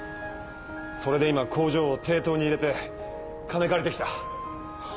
それで今工場を抵当に入れて金借りてきた。